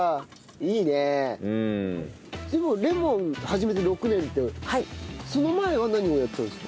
でもレモン始めて６年ってその前は何をやってたんですか？